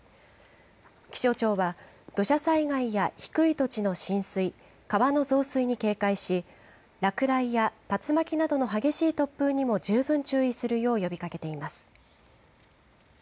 気象庁は土砂災害や低い土地の浸水、川の増水に警戒し落雷や竜巻などの激しい突風にも十分注意するよう呼びかけています。